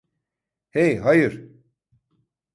Hey, hayır!